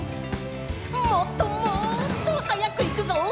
もっともっとはやくいくぞ！